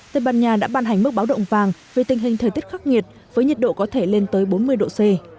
tây ban nha đã ban hành mức báo động vàng về tình hình thời tiết khắc nghiệt với nhiệt độ có thể lên tới bốn mươi độ c